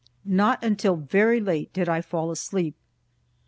Not until very late did I fall asleep.